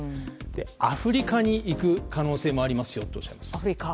アフリカに行く可能性もありますよとおっしゃいます。